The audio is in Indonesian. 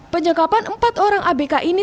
penyekapan empat orang abk ini